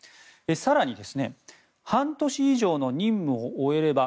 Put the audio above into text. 更に、半年以上の任務を終えれば